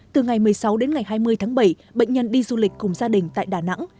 từ ngày một mươi sáu đến ngày hai mươi tháng bảy bệnh nhân đi du lịch cùng gia đình tại đà nẵng